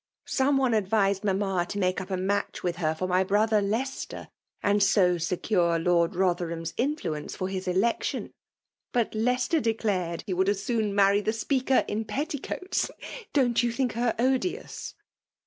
Some one advised mamma to make up a match with her for my brother Leicester, and so secure Lord Botherham*8 influence for his election ; but Leicester declared he would as soon marry the Speaker in petticoats ! Don't you think her odious